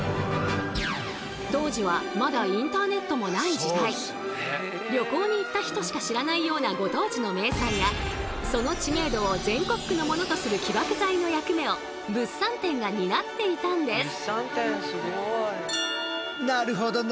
当時はまだ旅行に行った人しか知らないようなご当地の名産がその知名度を全国区のものとする起爆剤の役目を物産展が担っていたんです。